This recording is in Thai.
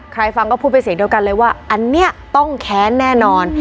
ฟังก็พูดเป็นเสียงเดียวกันเลยว่าอันนี้ต้องแค้นแน่นอน